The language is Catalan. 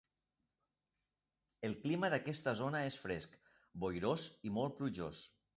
El clima d'aquesta zona és fresc, boirós i molt plujós.